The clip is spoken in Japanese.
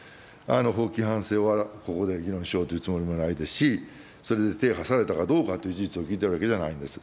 法規範性はここで議論しようというつもりもないですし、それで停波されたかどうかという事実を聞いてるわけじゃないんです。